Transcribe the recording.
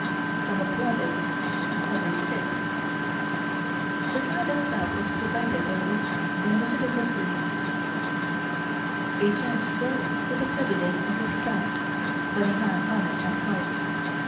Some applauded, others hissed. The trial itself was presided over by Monsieur de Rocouz, a judge filled with the prejudice of his class, but a man honest at heart.